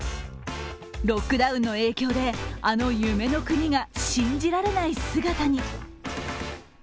ロックダウンの影響で、あの夢の国が信じられない姿に。